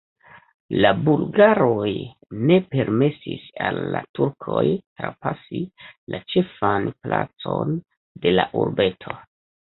La bulgaroj ne permesis al la turkoj trapasi la ĉefan placon de la urbeto.